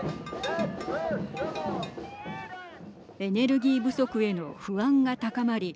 エネルギー不足への不安が高まり